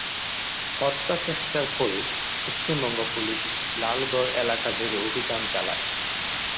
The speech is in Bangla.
হত্যার চেষ্টার পরে, পশ্চিমবঙ্গ পুলিশ লালগড় এলাকা জুড়ে অভিযান চালায়।